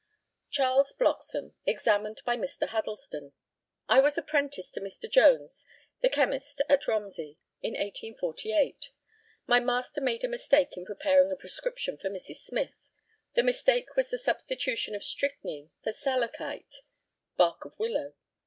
CHARLES BLOCKSOME, examined by Mr. HUDDLESTON: I was apprentice to Mr. Jones, the chymist, at Romsey, in 1848. My master made a mistake in preparing a prescription for Mrs. Smyth. The mistake was the substitution of strychnine for salacite (bark of willow).